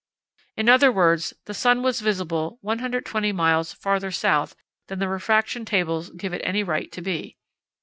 In other words, the sun was visible 120 miles farther south than the refraction tables gave it any right to be.